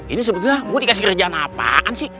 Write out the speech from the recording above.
ini sebetulnya gue dikasih kerjaan apaan sih